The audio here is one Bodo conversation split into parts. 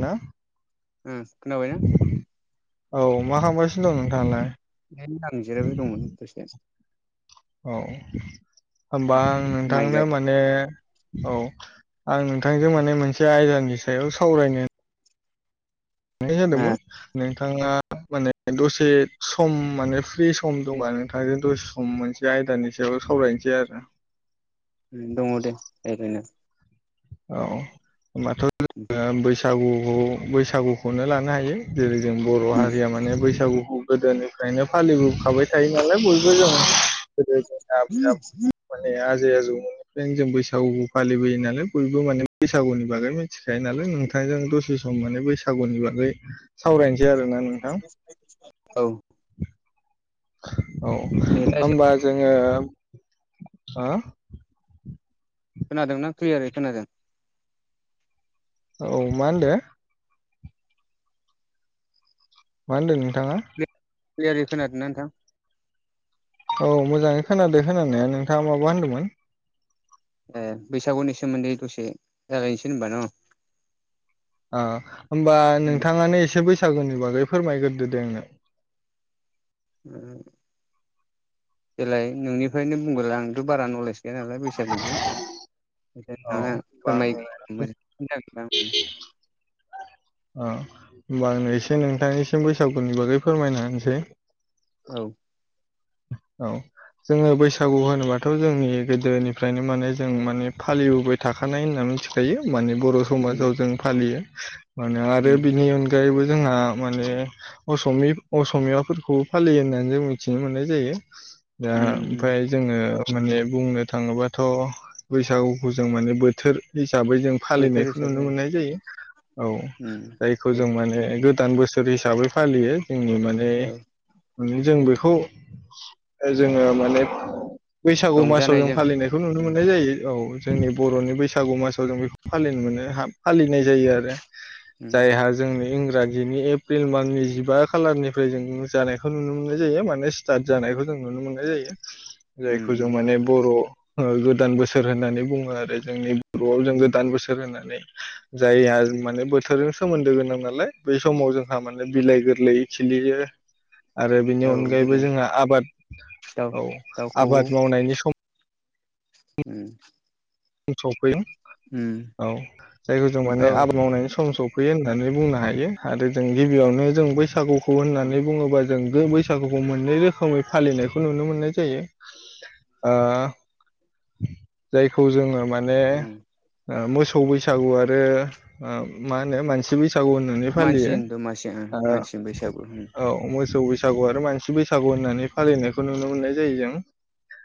ना ओ खोनाबाय औ मा खालामगासिनो दं नोंथाङालाय आं जिरायबाय दंमोन दसे औ होमबा आं माइ नोंथांनो गाय माने औ आं नोंथांजों माने मोनसे आयदानि सायाव सावरायनो नाय जादोंमोन ओ नोंथाङा माने दसे सम माने फ्रि सम दंबा नोंथांजों दसे सम मोनसे आयदानि सायाव सावरायनोसै आरो दङ दे जाय्लायनो औ होनबाथ बैसाग बैसागुखौ बैसागुखौनो लानो हायो जेरै जों बर हारिया माने बैसागुखौ गोदोनिफ्रायनो फालिबो थाबाय थायो नालाय बयबो जों गोदो ज माने [unintelligible] जायजौमनिफ्रायनो जों बैसागु फालिबोयो नालाय बयबो माने बैसागुनि बागै मिथिखायो नालाय नोंथांजों दसे सम माने बैसागुनि बागै सावरायनो बि आरो ना नोंथां औ औ नेटआ एसे होमबा जोङो हो खोनादों ना क्लियारै खोनादों औ मा होनदों मा होनदों नोंथाङा ख्लियारि खोनादोंना नोंथां? औ मोजाङै खोनादो खोनानाया नोंथाङा माबा होनदोंमोन? एह बैसागुनि सोमोन्दै दसे जागायनोसै होनबा न। ओ होमबा नोंथाङानो एसे बैसागुनि बागै फोरमायगोरदो दे आंनो। देलाय नोंनिफायनो बुंगोरलाय आंथ' बारा नलेज गैया नालाय बेैसागुनि। औ होमबा आङो [unintelligible] अह होमबा आंनो एसे नोंथांनिसिम बैसागुनि बागै फोरमायना होनोसै। औ। औ। जोङो बैसागु होनोबाथ' जोंनि गोदोनिफ्रायनो माने जों माने फालिबोबाय थाखानाय होनना मिनथिखायो माने बर' उम समाजाव जों फालियो मानो आरो उम बिनि अनगायैबो जोंहा माने असिमि असमियाफोरखौबो फालियो होननानै जों मिथिनो मोननाय जायो। दा उम उम ओमफ्राय जोङो माने बुंनो थाङोबाथ' बैसागुखौ जों माने बोथोर हि साबै जों बोथोर फालिनायखौ हिसाबै नुनो मोननाय जायो औ उम जायखौ जों जेरै माने गोदान बोसो सोर हिसाबै फालियो जोंनि माने औ मानि जों बेखौ ओ जोङो माने बैसागु मासाव जों रंजानायजों फालिनायखौ नुनो उम मोननाय जायो औ। जोंनि बर'नि बैसागु मासाव जों बेखौ फालिनो मोनो हाब फालिनाय उम जायो आरो उम जायहा जोंनि इं ग्राजिनि एप्रिल माननि जिबा खालारनिफ्राय जों जानायखौ नुनो मोननाय जायो माने स्टार्ट जानायखौ जों नुनो मोननाय जायो। जायखौ जों उम माने बर' ओ गोदान बोसोर होननानै बुङो आरो जोंनि बर'आव जों उम गोदान बोसोर होननानै। जायहा उम माने बोथोरजों सोमोन्दो गोनां नालाय बै समाव जोंहा माने बिलाइ गोरलै खिलियो। आरो बिनि औ अनगायैबो देलाय जोंहा आबाद दाउ औ दाउखौवौ आबाद मावनायनि सम उम। सफैयो उम औ जायखौ जों माने औ आबाद मावनायनि सम स फैयो होननानै बुंनो हायो आरो जों गिबियावनो जों बैसागुखौ उम होननानै बुङोबा जों गो बैसागुखौ मोननै रोखोमै फालिनायखौ नुनो मोननाय जायो। ओ जाय खौ जोङो माने उम ओ मोसौ बैसागु आरो ओ मा होनो मानसि बैसा सागु होननानै फालियो। मानसिनि दमासि ओ मानसिनि बैसागु उम औ मो सौ बैसागु आरो मानसि बैसागु होननानै फालिनायखौ नुनो मोननाय जायो जों।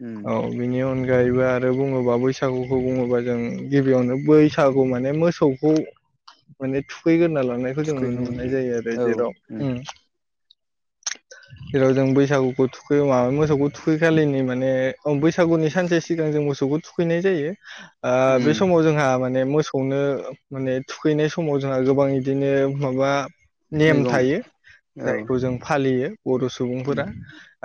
उम औ बिनि अनगायैबो आरो बुङोबा बैस बैसागुखौ बुङोबा जों गिबियावनो बैसागु माने मोसौखौ माने थुखैग्रोना लांनायखौ जों नुनो थुखैनो मोननाय जायो आरो जेराव उम जेराव जों बैसागुखौ थुखैयो माबा मोसौखौ थुखैखालिनि माने आव बैसागुनि सानसे सिगां जों मोसौखौ थुखैनाय जायो ओ बे उम समाव जोंहा माने मोसौ खौनो माने थुखैनाय समाव जोंहा गोबां इदिनो माबा नेम मैगं थायो। औ जायखौ जों फालियो बर' उम सुबुंफोरा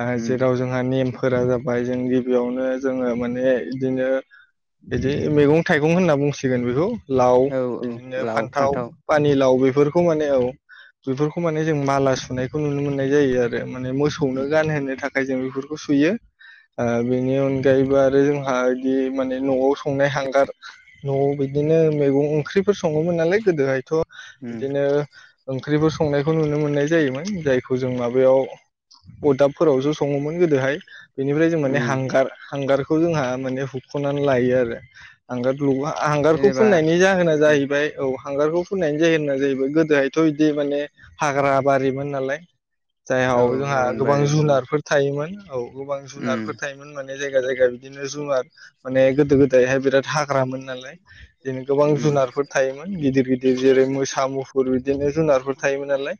ओ उम जेराव जोंहा नेम फोरा जाबाय जों गिबियावनो जोङो माने इदिनो बिदि मैगं थाइगं होनना बुंसिगोन बेखौ लाव औ बिदिनो लाव फान्थाव पानि लाव बेफोरखौ माने औ बेफोरखौ माने जों माला सुनायखौ नुनो मोननाय जायो आरो माने मोसौनो गानहोनो थाखाय जों बेफोरखौ सुयो ओ बेनि अनगायैबो आरो जोंहा बिदि माने न'आव संनाय हांगार, न'आव बिदिनो मैगं ओंख्रिफोर सङोमोन नालाय गोदोहायथ' उम बिदिनो ओंख्रिफोर संनायखौ नुनो मोननाय जायोमोन जायखौ जों माबायाव अदाबफोरावसो सङोमोन गोदोहाय बेनिफ्राय जों माने उम हांगार हांगारखौ जोंहा माने हुख'नानै लायो आरो हांगार नङा हांगारखौ जेनेबा फुननायनि जाहोना उम जाहैबाय औ हांगारखौ फुननायनि जाहेना जाहैबाय गोदोहायथ' इदि माने हाग्रा बारिमोन नालाय औ जायहाव जोंहा गोबां अरनबारि उम जुनारफोर थायोमोन औ गोबां जुनारफोर उम थायोमोन मान ने जायगा जायगा बिदिनो जुनार माने गोदो गोदायहाय बिराथ हा ग्रा मोन नालाय बिदिनो गोबां जुनारफोर थायोमोन गिदिर गिदिर जेरै मोसा मुफुर बिदिनो जु नारफोर थायोमोन नालाय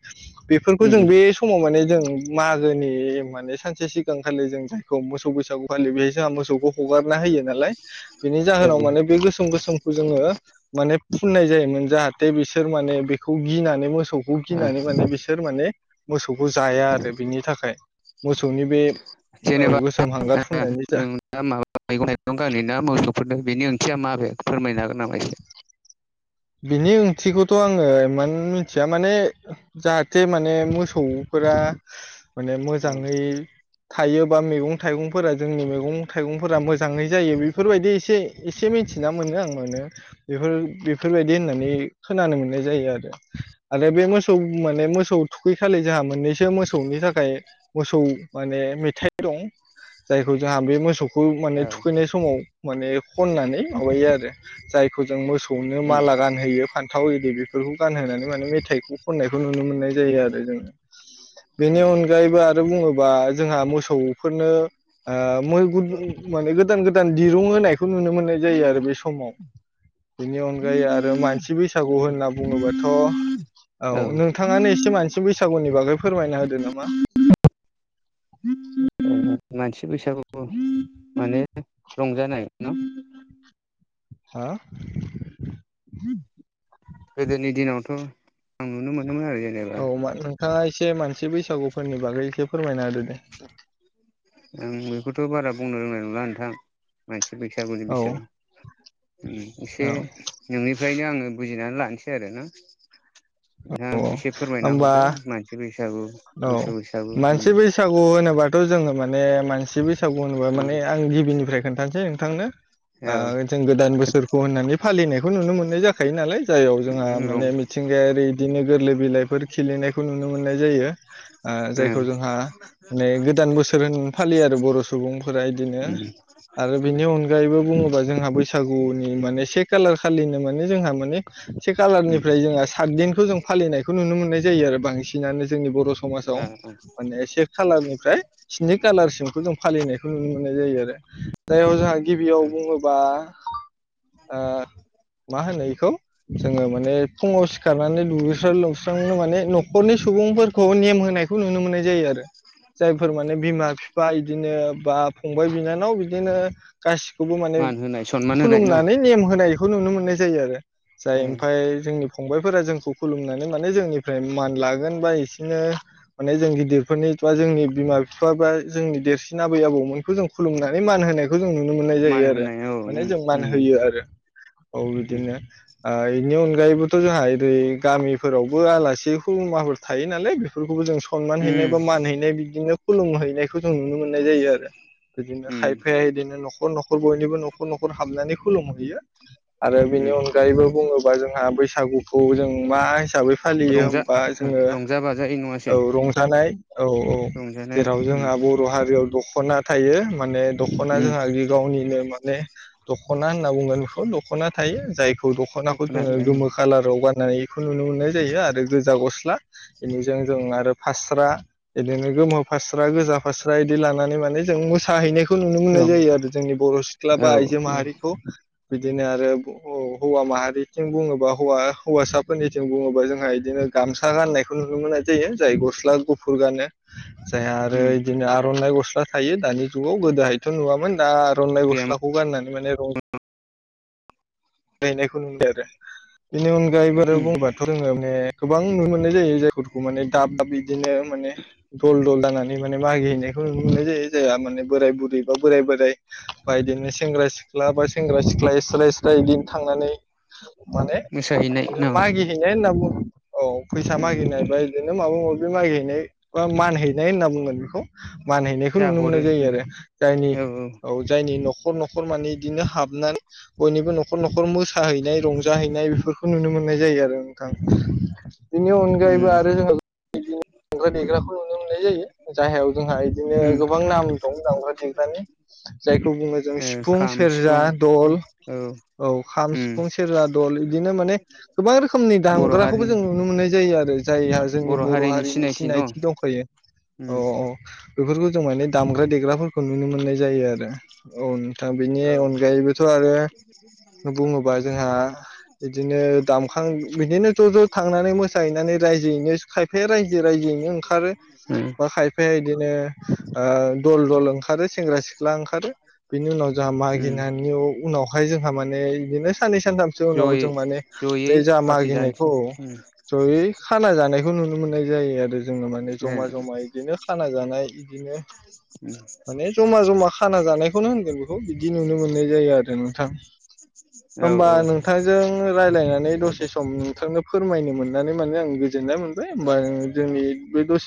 बेफोरखौ जों उम बे समाव माने जों उम मागोनि माने सानसे सिगांखालि जों जायखौ मोसौ बैसागु फालियो बेहाय जोंहा मोसौखौ हगारना होयो नालाय बेनि औ जाहोनाव माने बे गोसोम गोसोमखौ जोङो माने फुननाय जायोमोन जाहा थे बिसोर माने बेखौ गिनानै मोसौ सौखौ ओ गिनानै माने बिसोर माने मोसौखौ जाया आरो बिनि थाखाय। मोसौनि बे औ जेनेबा गोसोम हांगार फुननायनि जा जों दा माबा मैगं थाइगं मोसौफोरनो बेनि ओंथिया मा बे फोरमायनो हागोन नामा एसे? बिनि ओंथिखौथ' आङो इमान मिथिया माने जाहाथे माने मोसौ फोर माने औ मोजाङै थायोबा मैगं थाइगंफोरा जोंनि मैगं थाइगंफोरा मोजाङै जायो बेफोरबायदि एसे एसे मिथिना मोनो आं माने बेफोर बेफोरबायदि होननानै खोनानो मोननाय जायो आरो आरो बे मोसौ माने मोसौ थुखैखालि जोंहा मोननैसो मोसौनि थाखाय मोसौ माने मेथाइ दं जायखौ जोंहा बे मोसौ औ खौथुखैनाय समाव माने खननानै माबायो आरो जायखौ जों मोसौ नो उम माला गानहोयो फान्थाव इदि बे बेफोरखौ गानहोनानै माने मेथाइखौ खननायखौ नुनो मोननाय जायो आरो जोङो बेनि उम अनगायैबो आरो बुङोबा जोंहा मोसौफोरनो ओ मै गुद गोदान गोदान दिरुं होनाय खौ नुनो मोननाय जायो आरो बे समाव बेनि अनगायै आरो मानसि बैसागु होनना बुङोबाथ' औ औ नोंथाङा एसे मानसि बैसागुनि बागै फोरमायना होदो नामा? मानसि बैसागु माने रंजानाय ना? हा गोदोनि दिनावथ' आं नुनो मोनो औ नोंथाङा एसे मानसि बैसागुफोरनि बागै एसे फोरमायना होदो दे आं बेखौथ' बारा बुंनो रोंनाय नंला नोंथां मानसि बैसागुनि औ एसे औ नोंनि ओंखायनो आङो बुजिनानै लानोसै आरो ना नोंथा औ एसे फोरमायना होमबा हरदो मानसि बैसागु औ मोसौ बैसागु उम मानसि बैसागु होनोबाथ' जोङो माने माने मानसि बैसागु होनोबा उम माने आं गिबिनिफ्राय खोन्थानोासै नोंथांनो औ जों गोदान बोसोरखौ होननानै फालिनायखौ नुनो मोननाय जाखायो नालाय जाययाव जोंहा उम रं माने मिथिंगायारि बिदिनो गोरलै बिलाइफोर खिलिनायखौ नुनो मोननाय जायो उम जायखौ जोंहा माने गोदान बोसोर होन फालियो आरो बर' सुबुंफोरा इदिनो उम आरो बिनि अनगायैबो बुङोबा जोंहा बैसागुनि से खालार खालि मान जोंहा मान से उम खालारनिफ्राय जों सादीनखौ जों फालिनायखौ नुनो मोननाय जायो आरो बांसिनानो जोंनि बर' समाजाव ओ माने से खालारनिफ्राय स्नि खालारसिमखौ जों फालिनायखौ नुनो मोननाय जायो आरो जोंहा गिबियाव ओ बुङोबा मा होनोखौ जोंङो माने फुङाव सिखारनानै दुगैस्रां लोबस्रांनो माने न'खरनि सुबुंफोर होनायखौ नुनो मोननाय जायो आरो जायफोर माने बिमा बिफा बिदिनो बा फंबाय बिनानाव बिदिनो गसिबो खौबो माने मान होनाय सनमान होनाय न' ओ खुलुमनानै नेम होनायखौ नुनो मोननाय जायो आरो जाय ओमफाय जोंनि फंबायफोरा जोंखौ खुलुमनानै माने जोंनिफ्राय मान लागोन बा एसे बिदिनो माने जों गिदिरफोरनि बा जोंनि बिमा बिफा बा जोंनि देरसिन आबै आबौमोनखौ जों खुलुमनानै मान होनाय बेखौ जों नुनो मोननाय मान जायो आरो होनाय औ उम माने जों मान उम होयो आरो औ उम बिदिनो बेनि अनगायैबोथ' जोंहा ओरै गामिफोरावबो आलासि खुरमाफोर थायो। नालाय बेफोरखौबो जों सनमान उम हैनाय बा मान हैैनाय बिदिनो खुलुमहैनायखौ जों नुनो मोननाय जायो आरो बिदिनो उम खायफाया बिदिनो न'खर न'खर न'खर बयनिबो न'खर न'खर हाबनानै खुलुमहैयो आरो बिनि उम अनगायैबो बुङोबा जोंहा बैसाग बैसागुखौ जों मा हिसाबै फालियो होमबा जोङो जायो नङासै औ रंजानाय औ औ रंजानाय जेराव उम जोंहा बर' हारियाव दख'ना थायो। माने दखना उम जोंहा गावनिनो माने दख'ना होनना बुङो बेखौ दख'ना थायो जायखौ दख'नाखौ दख'ना जोङो रं गोमो खालाराव गाननो हायो। बेखौ नुनो मोननाय जायो आरो गोजा गस्ला बेनिजों जों आरो फास्रा। बिदिनो गोमो फास्रा गोजा फास्रा बिदि लानानै माने जों मोसाहैनायखौ खौ नुनो मोननाय औ जायो आरो जोंनि बर' सिख्ला बा औ आइजो माहारिखौ बि दिनो आरो हौवा माहारिथिं बुङोबा हौवा हौवासाफोरनिथिं बुङोबा जोंहा बिदिनो गा गामसा गान्नाय खौ नुनो मोननाय जायो जाय गस्ला गुफुर गानो जाय आरो उम बिदिनो आर'नाइ गस्ला स्ला थायो दानि जुगाव गोदोहायथ' नुवामोन दा रनलाइ गैयामोन गस्लाखौ गाननानै माने रं गायनायखौ नुबाय आरो बेनि अनगायै बारो उम बुंबाथ' रोङो माने गोबां नुनो मोननाय जायो जायफोरखौ माने दाब दाब बिदिनो माने दल दल दानानै माने मागि हैैनायखौ नु न मोननाय जायो जाया माने बोराय बुरै बा बोराय बोराय बा बिदिनो सेंग्रा सिख्ला सिख्ला बा सेंग्रा सिख्लाया सिराय एराय बिदिनो थांनानै माने मोसाहैनाय न मागिहैनाय होनना बुं औ फैसा उम मागिनाय बा बिदिनो माबा माबि मागिहैनाय बा मान हैैनाय होनना बुंगोन बेखौ मान हैैनायखौ जा नुनो मोननाय हरो जायो उम आरो जायनि औ जायनि न खर न'खर माने बिदिनो हाबनानै बयनिबो न'खर न'खर न'खर मोसाहैनाय रंजाहैनाय बेफोरखौ नुनो मोननाय जायो आरो बेनि अनगायैबो उम आरो जों देग्राखौ नुनो मोननाय जायो जायायाव जोंहा बिदिनो उम गोबां नाम दं दामग्रा देग्रानि जायखौ बुङो जों ओ सिफुं, खाम सेरजा सिफुं दल औ औ खाम उम सिफुं सेरजा दल बिदिनो माने गोबां रोखोमनि बर' दामग्राखौबो हारिनि जों नुनो मोननाय जायो आरो जायहा जोंनि बर' हारिनि सिनायथि दंखायो औ उम औ बेफोरखौ जों माने दामग्रा देग्राफोरखौ नुनो मोननाय जायो आरो औ बेनि औ अनगायैबोथ' आरो बुङोबा जोंहा बिदिनो दामखां बिदिनो ज' ज' थांनानै मोसाहैनानै रायजोयैनो खायफाया रायजो राजायजोयैनो ओंखारो उम बा खायफाया बिदिनो दल दल ओंखारो सेंग्रा सिख्ला ओंखारो बिनि उनाव जोंहा उम मागिनायनि उनावहाय जोंहा मान माने बिदिनो साननै सानथामसो उनाव जयै जों माने बे जयै जा पार्टि जानोसै मागिनायखौ उम जयै खाना जानायखौ नुनो मोननाय जायो आरो जोङो माने जमा जमा इदिनो खाना जानाय इदिनो माने जमा जमा खाना जानायखौनो होनगोन बेखौ बिदि नुनो मोननाय जायो आरो नोंथां। ओ औ होमबा औ नोंथांजों रायज्लायनानै बुजिबाय दा दसे सम नोंथांनो फोरमायनो मोननानै माने आं गोजोननाय मोनबाय होमबा जोंनि बे दसे